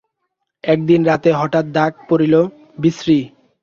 একদিন রাত্রে হঠাৎ ডাক পড়িল, বিশ্রী!